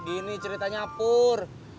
ini ceritanya pur